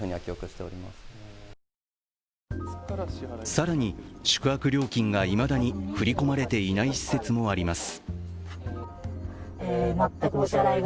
更に、宿泊料金がいまだに振り込まれていない施設もあります。